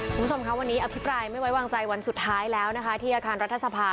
คุณผู้ชมค่ะวันนี้อภิปรายไม่ไว้วางใจวันสุดท้ายแล้วนะคะที่อาคารรัฐสภา